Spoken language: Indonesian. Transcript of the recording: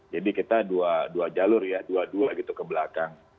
jadi kita dua jalur ya dua dua gitu ke belakang